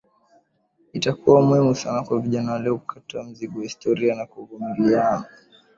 Itakuwa muhimu sana kwa vijana wa leo kukataa mzigo wa historia na kuvumiliana